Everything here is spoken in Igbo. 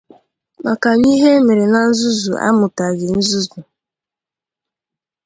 maka na ihe e mere na nzuzu amụtaghị nzuzu